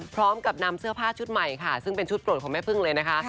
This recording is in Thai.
พร้อมกับนำเสื้อผ้าชุดใหม่ค่ะซึ่งเป็นชุดโปรดของแม่พึ่งเลยนะคะ